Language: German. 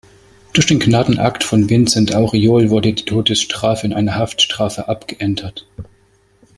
Durch den Gnadenakt von Vincent Auriol wurde die Todesstrafe in eine Haftstrafe abgeändert.